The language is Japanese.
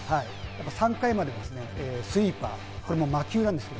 ３回までスイーパー、これ魔球なんですよ。